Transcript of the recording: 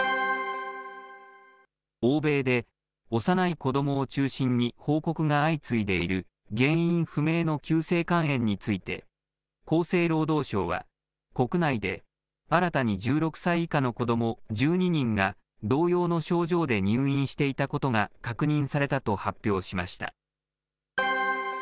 欧米で幼い子どもを中心に報告が相次いでいる原因不明の急性肝炎について、厚生労働省は、国内で新たに１６歳以下の子ども１２人が、同様の症状で入院していたことが確認されたと発表しました。